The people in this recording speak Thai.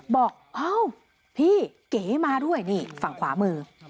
บอกเอ้าพี่เก๋มาด้วยนี่ฝั่งขวามือ